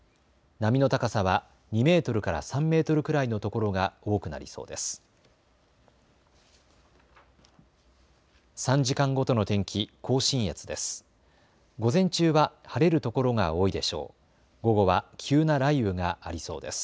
波の高さは２メートルから３メートルくらいの所が多くなりそうです。